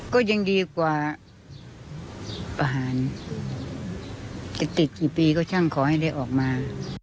ก็ยังดีกว่าประหารจะติดกี่ปีก็ช่างขอให้เลยออกมา